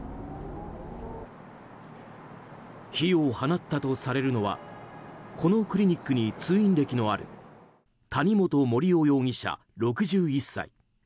火を放ったとされるのはこのクリニックに通院歴のある谷本盛雄容疑者、６１歳。